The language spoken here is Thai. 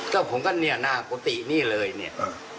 ยังเสียคนเนี่ย